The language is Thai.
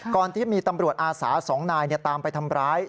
ตอนที่มีตำรวจอาสา๒นายตามไปทำร้าย